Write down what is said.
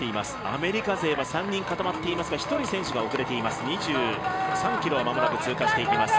アメリカ勢は３人固まっていますが１人選手が遅れています２３ｋｍを間もなく通過していきます。